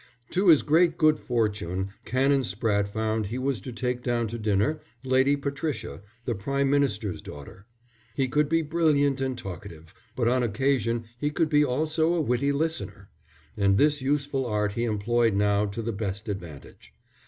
To his great good fortune Canon Spratte found he was to take down to dinner Lady Patricia, the Prime Minister's daughter. He could be brilliant and talkative, but on occasion he could be also a witty listener; and this useful art he employed now to the best advantage.